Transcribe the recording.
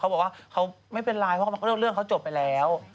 บอกว่าเขาไม่เป็นไรเพราะเรื่องเขาจบไปแล้ว